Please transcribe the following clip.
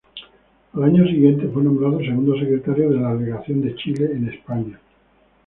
Al año siguiente, fue nombrado segundo secretario de la Legación de Chile en España.